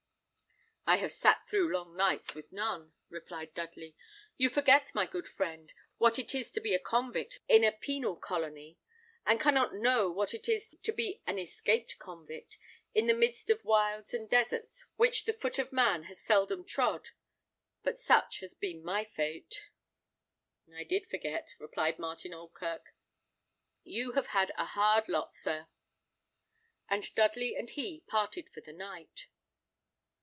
"I have sat through long nights with none," replied Dudley. "You forget, my good friend, what it is to be a convict in a penal colony, and cannot know what it is to be an escaped convict in the midst of wilds and deserts which the foot of man has seldom trod; but such has been my fate." "I did forget," replied Martin Oldkirk. "You have had a hard lot, sir." And Dudley and he parted for the night.